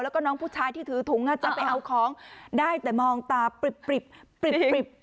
แล้วก็น้องผู้ชายที่ถือถุงจะไปเอาของได้แต่มองตาปริบปริบ